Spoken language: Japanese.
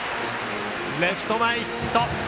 レフト前ヒット。